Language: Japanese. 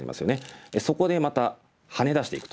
そこでまたハネ出していくと。